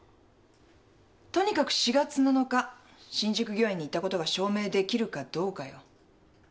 とにかく４月７日新宿御苑にいたことが証明できるかどうかよ。